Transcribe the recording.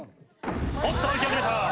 おっと歩き始めた。